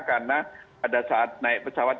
karena pada saat naik pesawat